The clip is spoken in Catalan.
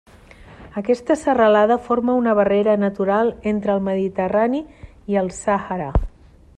Aquesta serralada forma una barrera natural entre el Mediterrani i el Sàhara.